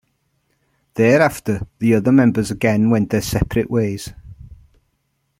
Thereafter, the other members again went their separate ways.